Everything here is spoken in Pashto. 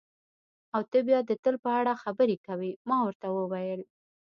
او ته بیا د تل په اړه خبرې کوې، ما ورته وویل.